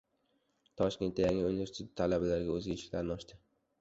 Toshkentda yangi universitet talabalarga o‘z eshiklarini ochdi